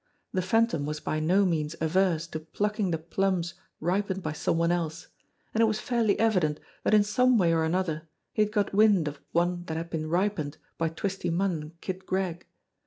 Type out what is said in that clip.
The Phan tom was by no means averse to plucking the plums ripened by some one else, and it was fairly evident that in some way or another he had got wind of one that had been ripened by Twisty Munn and Kid Gregg.